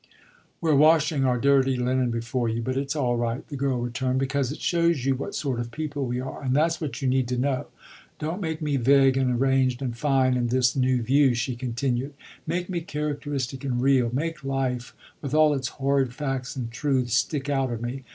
"We're washing our dirty linen before you, but it's all right," the girl returned, "because it shows you what sort of people we are, and that's what you need to know. Don't make me vague and arranged and fine in this new view," she continued: "make me characteristic and real; make life, with all its horrid facts and truths, stick out of me.